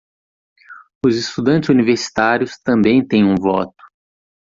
Os estudantes universitários também têm um voto